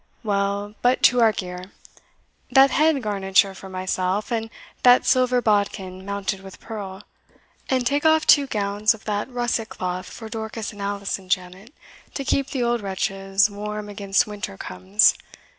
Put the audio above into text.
"Well, but to our gear. That head garniture for myself, and that silver bodkin mounted with pearl; and take off two gowns of that russet cloth for Dorcas and Alison, Janet, to keep the old wretches warm against winter comes.